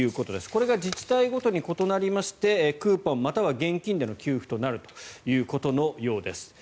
これが自治体ごとに異なりましてクーポンまたは現金での給付となるということのようです。